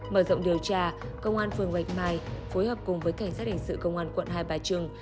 mở rộng điều tra công an phường bạch mai phối hợp cùng với cảnh sát hình sự công an quận hai bà trưng